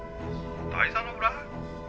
☎「台座の裏」？